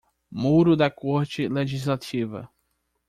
Muro da Corte Legislativa